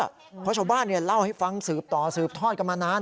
เพราะชาวบ้านเล่าให้ฟังสืบต่อสืบทอดกันมานาน